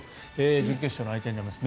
準決勝の相手になります。